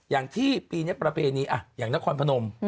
อย่างที่ปีนี้ประเพณีอย่างนครพนม